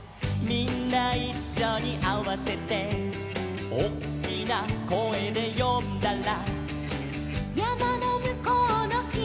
「みんないっしょにあわせて」「おっきな声で呼んだら」